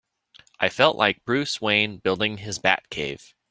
I felt like Bruce Wayne building his Batcave!